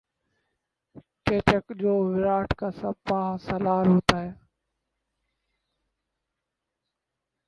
کیچک جو ویراٹ کا سپاہ سالار ہوتا ہے